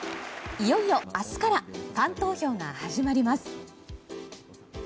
いよいよ明日からファン投票が始まります。